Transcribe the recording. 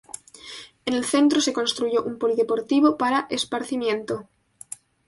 En el centro se construyó un polideportivo para esparcimiento.